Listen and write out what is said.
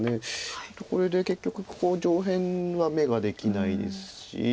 ちょっとこれで結局ここ上辺は眼ができないですし。